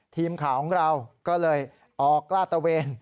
ทีมข่าวของเราก็เลยออกลาดตะเวน